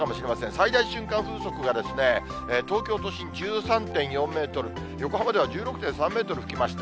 最大瞬間風速が東京都心１３．４メートル、横浜では１６．３メートル吹きました。